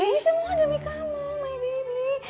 ya ini semua demi kamu my baby